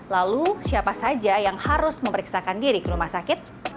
lalu siapa saja yang harus memeriksakan diri ke rumah sakit